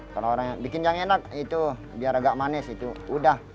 kalau orang yang bikin yang enak itu biar agak manis itu udah